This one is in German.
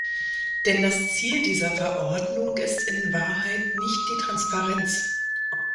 Denn das Ziel dieser Verordnung ist in Wahrheit nicht die Transparenz.